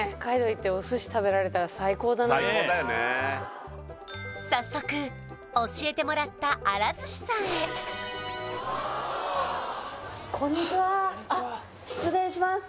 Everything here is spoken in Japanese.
行ってお寿司食べられたら最高だな最高だよね早速教えてもらったあら鮨さんへ失礼します